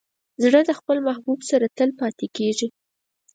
زړه د خپل محبوب سره تل پاتې کېږي.